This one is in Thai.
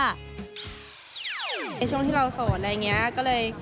ในช่วงที่เราโสดอะไรอย่างนี้ก็เลย